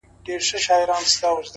• تر منګوټي لاندي به سپیني اوږې وځلېدې,